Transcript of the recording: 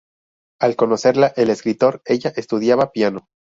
Al conocerla el escritor ella estudiaba piano.